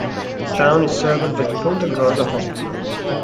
The town is served by Punta Gorda Hospital.